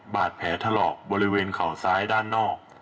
บาดแผลถลอกบริเวณเข่าซ้ายด้านนอก